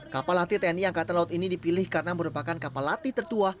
kapal latih tni angkatan laut ini dipilih karena merupakan kapal latih tertua